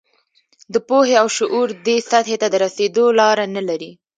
د پوهې او شعور دې سطحې ته رسېدو لاره نه لري.